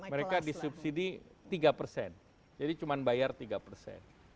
mereka disubsidi tiga persen jadi cuma bayar tiga persen